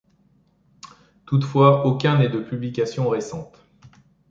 Toutefois, aucun n'est de publication récente.